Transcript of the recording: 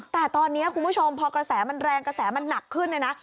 แต่ตอนนี้คุณผู้ชมพอกระแสมันแรงกระแสมันหนักขึ้นเนี่ยนะ